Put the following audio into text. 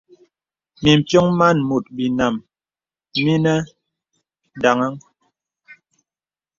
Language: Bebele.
M̀pyōŋ màn mùt binām mìnə̀ daŋ̄aŋ.